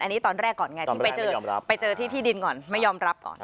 อันนี้ตอนแรกก่อนไงจำไปได้ไม่ยอมรับไปเจอที่ที่ดินก่อนไม่ยอมรับก่อน